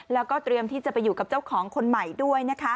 แล้วก็เตรียมที่จะไปอยู่กับเจ้าของคนใหม่ด้วยนะคะ